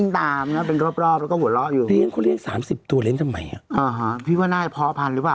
ถ้าฉันดูคลิปนี้ไทยรัฐนี่แหละ